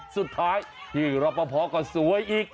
สุดท้ายพี่รอปภก็สวยอีก